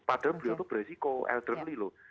padahal beliau itu beresiko eldrently loh